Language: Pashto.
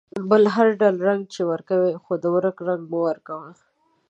بل هر رنگ چې ورکوې ، خو د ورک رنگ مه ورکوه.